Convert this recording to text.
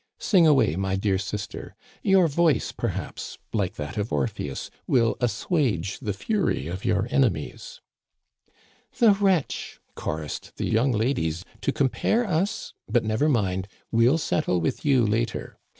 Sing away, my dear sister. Your voice, perhaps, like that of Orpheus, will assuage the fury of your enemies." " The wretch !" chorused the young ladies, " to com pare us — But, never mind, we'll settle with you later.